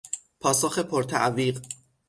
پاسخ پر تعویق